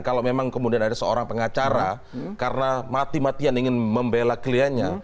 kalau memang kemudian ada seorang pengacara karena mati matian ingin membela kliennya